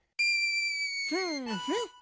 ふんふん。